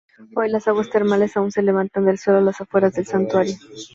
Hoy las aguas termales aun se levantan del suelo a las afueras del Santuario.